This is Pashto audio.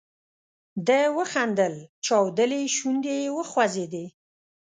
ده وخندل، چاودلې شونډې یې وخوځېدې.